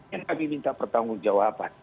yang kami minta pertanggung jawaban